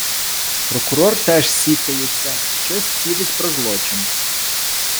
Прокурор теж сікається, щось цідить про злочин.